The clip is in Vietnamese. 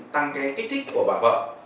tăng kích thích của bà vợ